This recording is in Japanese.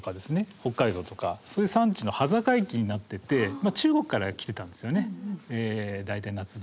北海道とかそういう産地の端境期になっていて中国から来ていたんですよね大体夏場。